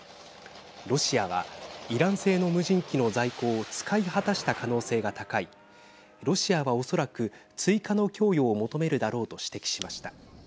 ロシアはイラン製の無人機の在庫を使い果たした可能性が高いロシアは恐らく追加の供与を求めるだろうと指摘しました。